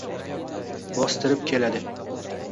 bostirib keladi